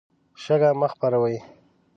شګه مه خپروئ.